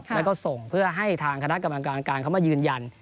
แล้วก็ส่งเพื่อให้ทางคณะกรรมการการเขามายืนยัน